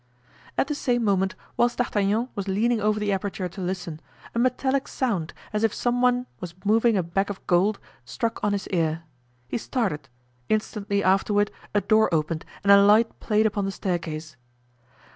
At the same moment, whilst D'Artagnan was leaning over the aperture to listen, a metallic sound, as if some one was moving a bag of gold, struck on his ear; he started; instantly afterward a door opened and a light played upon the staircase.